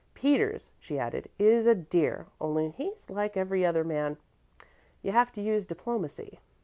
Peters," she added, "is a dear; only he's like every other man you have to use diplomacy."